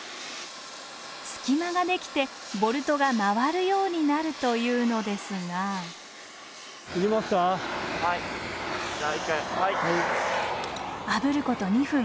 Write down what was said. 隙間ができてボルトが回るようになるというのですがあぶること２分。